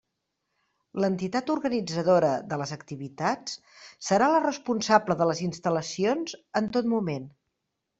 L'entitat organitzadora de les activitats serà la responsable de les instal·lacions en tot moment.